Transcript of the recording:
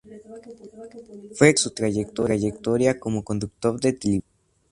Fue extensa su trayectoria como conductor de televisión.